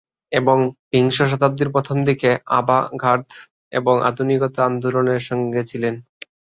এবং বিশ শতকের প্রথমদিকের আভা-গার্দ এবং আধুনিকতা আন্দোলনের সঙ্গে ছিলেন।